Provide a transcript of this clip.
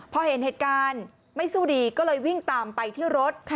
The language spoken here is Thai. พอเห็นเหตุการณ์ไม่สู้ดีก็เลยวิ่งตามไปที่รถ